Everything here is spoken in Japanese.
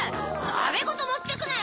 なべごともってくなよ！